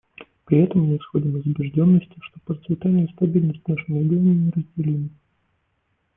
При этом мы исходим из убежденности, что процветание и стабильность в нашем регионе неразделимы.